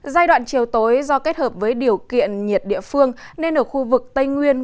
giai đoạn chiều tối do kết hợp với điều kiện nhiệt địa phương nên ở khu vực tây nguyên